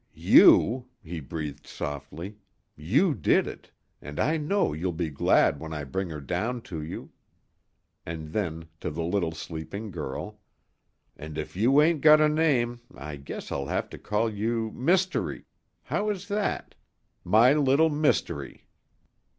"You," he breathed, softly, "you did it, and I know you'll be glad when I bring her down to you." And then to the little sleeping girl: "And if you ain't got a name I guess I'll have to call you Mystery how is that? my Little Mystery."